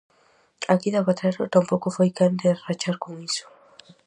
Aquí Zapatero tampouco foi quen de rachar con iso...